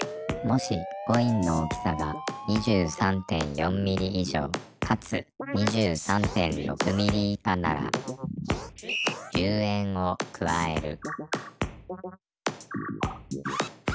「もしコインの大きさが２３．４ｍｍ以上かつ２３．６ｍｍ以下なら１０円を加える」